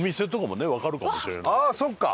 ああそっか！